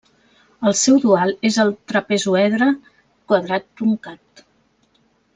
El seu dual és el Trapezoedre quadrat truncat.